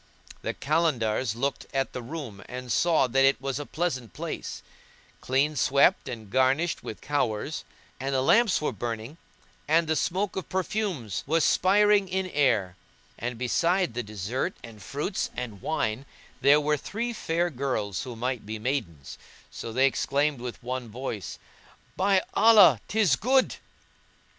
The Kalandars looked at the room and saw that it was a pleasant place, clean swept and garnished with flowers; and the lamps were burning and the smoke of perfumes was spireing in air; and beside the dessert and fruits and wine, there were three fair girls who might be maidens; so they exclaimed with one voice, "By Allah, 'tis good!"